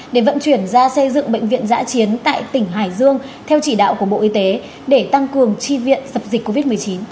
để vận chuyển ra xây dựng bệnh viện giã chiến tại tỉnh hải dương theo chỉ đạo của bộ y tế để tăng cường tri viện dập dịch covid một mươi chín